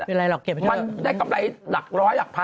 มันได้กำไรหลักร้อยหลักพัน